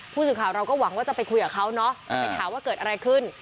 ผู้สื่อข่าวเราก็หวังว่าจะไปคุยกับเขาเนาะจะไปถามว่าเกิดอะไรขึ้น